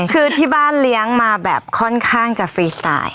คือที่บ้านเลี้ยงมาแบบค่อนข้างจะฟรีสไตล์